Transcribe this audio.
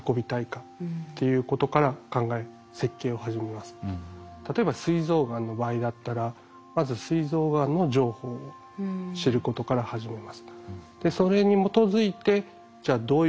まず我々は例えばすい臓がんの場合だったらまずすい臓がんの情報を知ることから始めます。